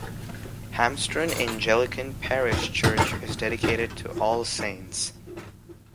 Harmston Anglican parish church is dedicated to All Saints.